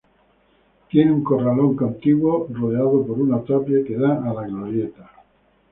Tiene un corralón contiguo, rodeado por un tapia, que da a la glorieta.